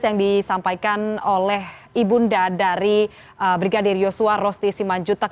yang disampaikan oleh ibunda dari brigadir yosua rosti simanjutak